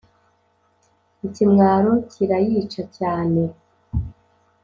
» ikimwaro kirayica cyane